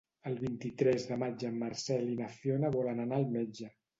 El vint-i-tres de maig en Marcel i na Fiona volen anar al metge.